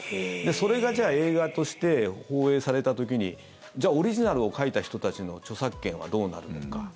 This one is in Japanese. それがじゃあ映画として放映された時にじゃあオリジナルを書いた人たちの著作権はどうなるのか。